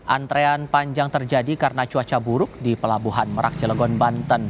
antrean panjang terjadi karena cuaca buruk di pelabuhan merak jelegon banten